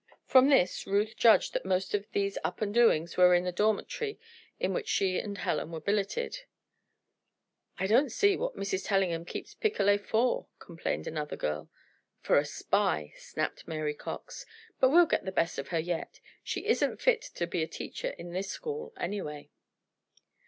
From this Ruth judged that most of these Up and Doings were in the dormitory in which she and Helen were billeted. "I don't see what Mrs. Tellingham keeps Picolet for," complained another girl. "For a spy," snapped Mary Cox. "But we'll get the best of her yet. She isn't fit to be a teacher in this school, anyway."